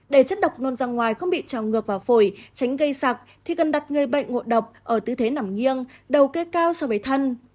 để chất độc nôn ra ngoài không bị trào ngược vào phổi tránh gây sạc thì cần đặt người bệnh ngộ độc ở tư thế nằm nghiêng đầu cây cao so với thân